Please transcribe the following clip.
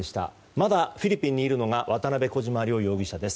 まだ、フィリピンにいるのが渡邉、小島両容疑者です。